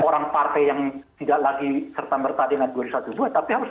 orang partai yang tidak lagi serta bertandingan dua ratus dua belas tapi harus